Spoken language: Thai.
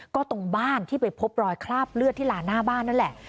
ก็ตรงบ้านที่ไปพบรอยคราบเลือดที่ลานหน้าบ้านนั่นแหละ